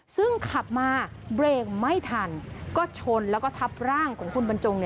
ซึ่งขับมาเบรกไม่ทันก็ชนแล้วก็ทับร่างของคุณบรรจง